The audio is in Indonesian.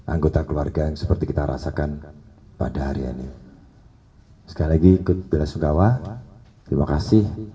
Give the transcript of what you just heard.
anggota keluarga yang seperti kita rasakan pada hari ini sekali diikut beres kawah terima kasih